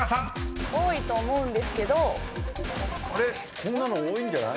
こんなの多いんじゃない？